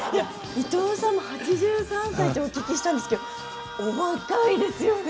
伊東さんも８３歳とお聞きしたんですけどお若いですよね！